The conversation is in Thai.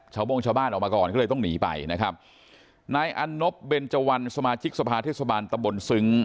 โมงชาวบ้านออกมาก่อนก็เลยต้องหนีไปนะครับนายอันนบเบนเจวันสมาชิกสภาเทศบาลตะบนซึ้ง